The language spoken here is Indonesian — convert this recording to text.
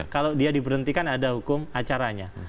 kalau dia diberhentikan ada hukum acaranya